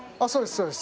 そうです